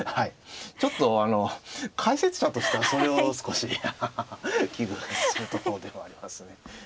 ちょっとあの解説者としてはそれを少しハハハ危惧するところではありますね。